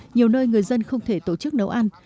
nhiều nơi người dân không thể tổ chức nấu ăn